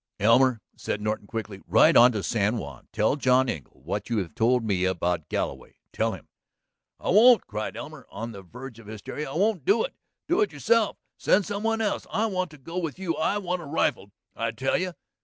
"Elmer," said Norton quickly, "ride on to San Juan. Tell John Engle what you have told me about Galloway. Tell him ..." "I won't!" cried Elmer, on the verge of hysteria. "I won't do it. Do it yourself; send some one else. I want to go with you; I want a rifle, I tell you!